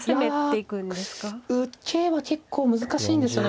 受けは結構難しいんですよね。